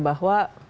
bahwa sekolah itu